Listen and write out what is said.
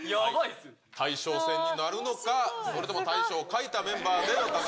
大将戦になるのか、それとも大将を欠いたメンバーで。